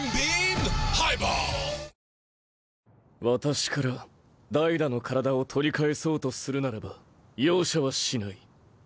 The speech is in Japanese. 私からダイダの体を取り返そうとするならば容赦はしない。